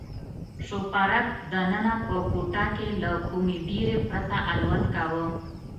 شوپرک دننه په کوټه کې له کومې بېرې پرته الوت کاوه.